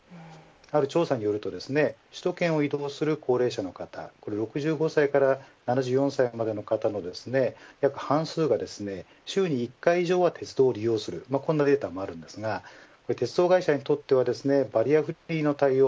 ある調査では首都圏を移動する高齢者の方６５歳から７４歳までの方の半数が週に１回以上は鉄道を利用するこんなデータもありますが鉄道会社にとってはバリアフリーの対応